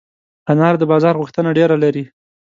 انار د بازار غوښتنه ډېره لري.